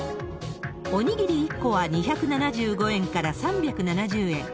おにぎり１個は２７５円から３７０円。